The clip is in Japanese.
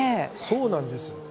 そうなんです。